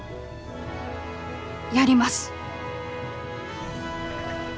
やります！